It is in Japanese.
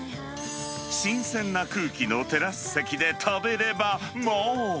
新鮮な空気のテラス席で食べれば、もう。